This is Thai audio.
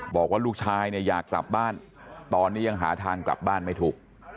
บอกว่าลูกชายเนี่ยอยากกลับบ้านตอนนี้ยังหาทางกลับบ้านไม่ถูก